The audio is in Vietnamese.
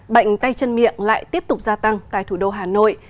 bệnh tay chân miệng lại tiếp tục gia tăng tại thủ đô hà nội